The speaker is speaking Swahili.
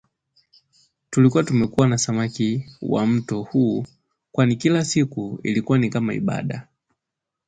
Tulikuwa tumekuwa samaki wa mto huu kwani kila siku ilikuwa kama ibada